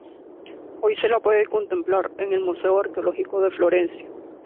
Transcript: Hoy se la puede contemplar en el Museo Arqueológico de Florencia.